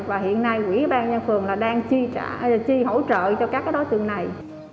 và hiện nay quỹ ban nhân phường là đang chi hỗ trợ cho các đối tượng này